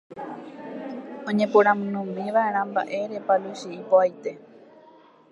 oñeporandúmiva'erã mba'érepa Luchi ipo'aite